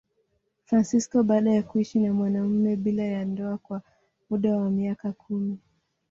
Fransisko baada ya kuishi na mwanamume bila ya ndoa kwa muda wa miaka kumi.